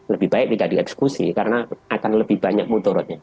lebih baik tidak dieksekusi karena akan lebih banyak muturotnya